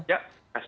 ya terima kasih